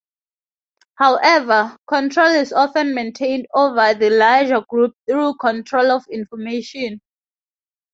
However, control is often maintained over the larger group through control of information.